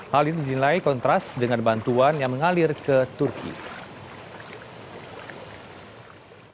hal ini dinilai kontras dengan bantuan yang mengalir ke turkiye